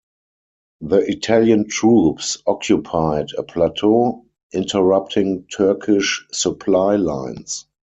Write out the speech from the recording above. The Italian troops occupied a plateau, interrupting Turkish supply lines.